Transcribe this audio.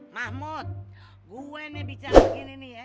mahmud gue nih bicara begini nih ya